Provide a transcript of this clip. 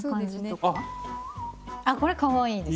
あこれかわいいです。